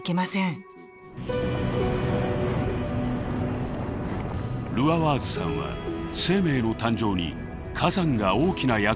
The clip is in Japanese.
ルアワーズさんは生命の誕生に火山が大きな役割を果たしたと考えています。